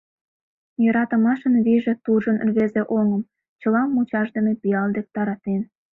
Йӧратымашын вийже туржын рвезе оҥым, Чылам мучашдыме пиал дек таратен…